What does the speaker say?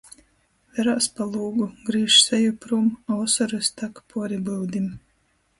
Verās pa lūgu, grīž seju prūm, a osorys tak puori byudim.